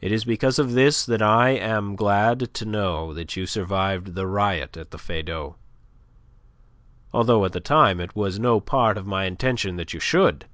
It is because of this that I am glad to know that you survived the riot at the Feydau, although at the time it was no part of my intention that you should.